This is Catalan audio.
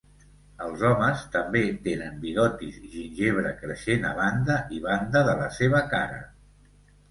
Els homes també tenen bigotis gingebre creixent a banda i banda de la seva cara.